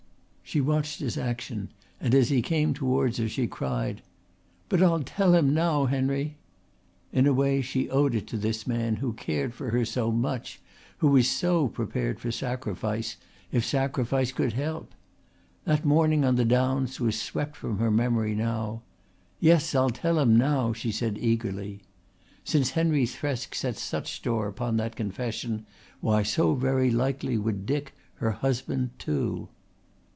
She watched his action and as he came towards her she cried: "But I'll tell him now, Henry." In a way she owed it to this man who cared for her so much, who was so prepared for sacrifice, if sacrifice could help. That morning on the downs was swept from her memory now. "Yes, I'll tell him now," she said eagerly. Since Henry Thresk set such store upon that confession, why so very likely would Dick, her husband, too.